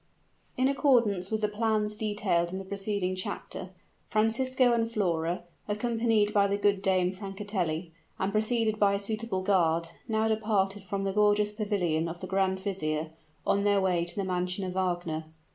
In accordance with the plans detailed in the preceding chapter, Francisco and Flora, accompanied by the good dame Francatelli, and preceded by a suitable guard, now departed from the gorgeous pavilion of the grand vizier, on their way to the mansion of Wagner.